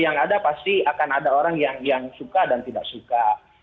yang ada pasti akan ada orang yang suka dan tidak suka